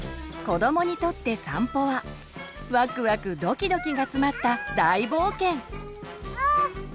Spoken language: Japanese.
子どもにとって散歩はワクワク・ドキドキが詰まった大冒険。